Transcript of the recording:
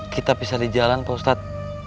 kita bisa di jalan pak ustadz